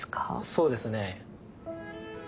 そうですね。